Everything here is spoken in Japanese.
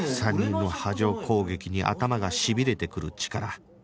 ３人の波状攻撃に頭がしびれてくるチカラ